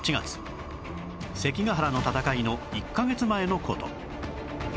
関ヶ原の戦いの１カ月前の事